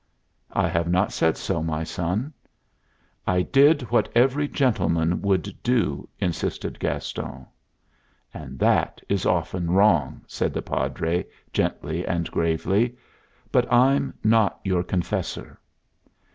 "I have not said so, my son." "I did what every gentleman would do." insisted Gaston. "And that is often wrong!" said the Padre, gently and gravely. "But I'm not your confessor."